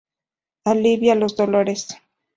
Alivia los dolores.